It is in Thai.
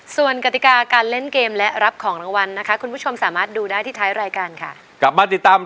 สวัสดีครับคุณผู้ชมครับ